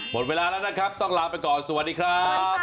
หมดเวลาแล้วนะครับต้องลาไปก่อนสวัสดีครับ